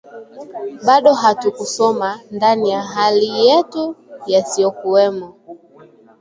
bado hatukusoma ndani ya hali yetu yasiyokuwemo